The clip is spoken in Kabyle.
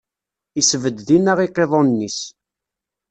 Isbedd dinna iqiḍunen-is.